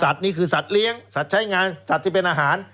นี่คือสัตว์เลี้ยงสัตว์ใช้งานสัตว์ที่เป็นอาหาร